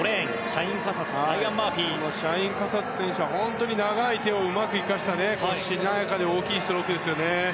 シャイン・カサス選手は長い手をうまく生かした、しなやかで大きいストロークですね。